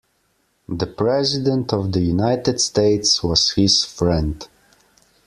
The President of the United States was his friend.